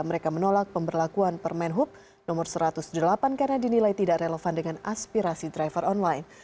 mereka menolak pemberlakuan permen hub no satu ratus delapan karena dinilai tidak relevan dengan aspirasi driver online